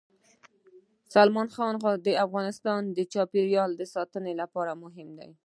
سلیمان غر د افغانستان د چاپیریال ساتنې لپاره مهم دي.